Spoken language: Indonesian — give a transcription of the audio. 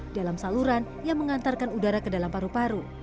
dalam saluran yang mengantarkan udara ke dalam paru paru